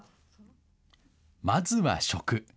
まずは食。